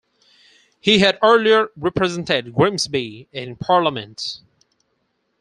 He had earlier represented Grimsby in Parliament.